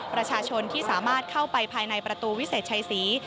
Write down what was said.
ประชาชนที่สามารถเข้าไปภายในประตูวิเศษชัยศรี